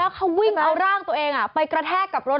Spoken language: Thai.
เขาวิ่งเอาร่างตัวเองไปกระแทกกับรถ